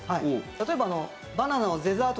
例えば。